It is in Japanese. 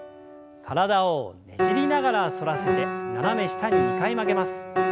体をねじりながら反らせて斜め下に２回曲げます。